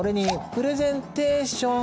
プレゼンテーション？